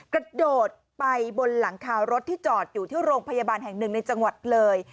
กระโดดไปบนหลังคารถที่จอดอยู่ที่โรงพยาบาลแห่งหนึ่งในจังหวัดเลย